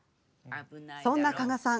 そんな加賀さん